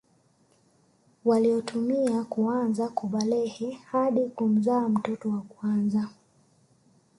waliotumia kuanzia kubalehe hadi kumzaa mtoto wa kwanza